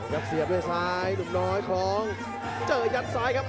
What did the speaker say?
เสียบด้วยซ้ายหนุ่มน้อยคล้องเจอยัดซ้ายครับ